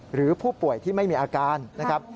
หรือผู้ป่วยที่ไม่มีอาการนะครับ